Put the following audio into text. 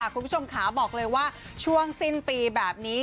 คุณผู้ชมขาบอกเลยว่าช่วงสิ้นปีแบบนี้